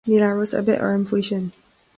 Níl amhras ar bith orm faoi sin.